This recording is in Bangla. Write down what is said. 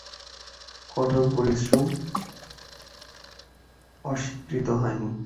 কঠোর পরিশ্রম অস্বীকৃত হয়নি।